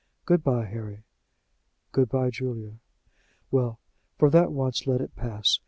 Good by, Harry." "Good by, Julia." "Well, for that once let it pass.